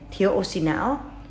thiếu oxy não